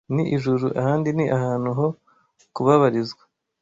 ni ijuru, ahandi ni ahantu ho kubabarizwa